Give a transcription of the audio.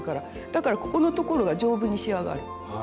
だからここのところが丈夫に仕上がる。